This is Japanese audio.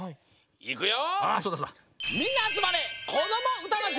いくよ！